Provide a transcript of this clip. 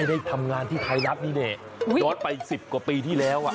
ได้ทำงานที่ไทยรัฐนี่แหละย้อนไป๑๐กว่าปีที่แล้ว